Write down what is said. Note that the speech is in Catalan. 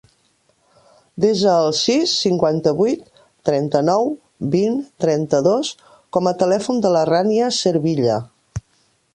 Desa el sis, cinquanta-vuit, trenta-nou, vint, trenta-dos com a telèfon de la Rània Cervilla.